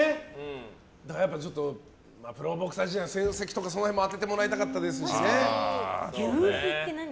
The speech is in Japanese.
やっぱりプロボクサー時代の戦績とかその辺も当ててもらいたかったですしね。